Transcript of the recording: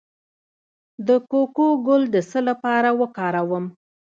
د کوکو ګل د څه لپاره وکاروم؟